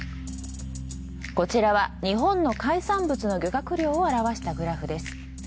こちらは日本の海産物の漁獲量を表したグラフです。